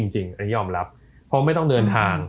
จริงยอมรับเพราะไม่ต้องเดินทาง